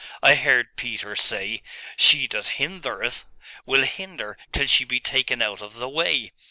I heard Peter say, "She that hindereth will hinder till she be taken out of the way."